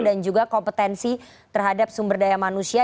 dan juga kompetensi terhadap sumber daya manusia